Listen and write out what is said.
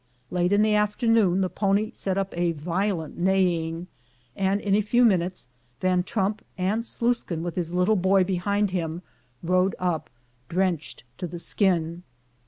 Late in the after noon the pony set up a violent neighing, and in a few minutes Van Trump, and Sluiskin with his little boy behind him, rode up, drenched to the skin.